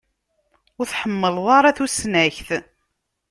Ur tḥemmleḍ ara tusnakt.